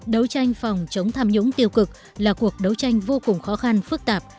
đấu tranh phòng chống tham nhũng tiêu cực là cuộc đấu tranh vô cùng khó khăn phức tạp